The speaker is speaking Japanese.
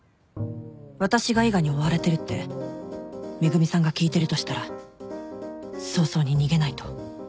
私が伊賀に追われてるって恵美さんが聞いてるとしたら早々に逃げないと